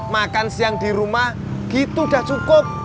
makan siang di rumah gitu udah cukup